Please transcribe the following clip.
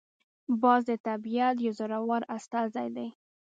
باز د طبیعت یو زړور استازی دی